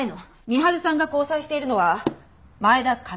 深春さんが交際しているのは前田勝弘さん。